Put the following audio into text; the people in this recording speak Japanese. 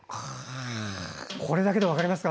これだけで分かりますか？